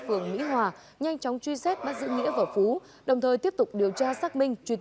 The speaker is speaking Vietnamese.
phường mỹ hòa nhanh chóng truy xếp bắt giữ nghĩa vào phú